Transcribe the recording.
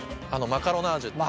マカロナージュ中？